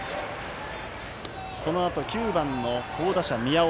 このあと９番の好打者、宮尾。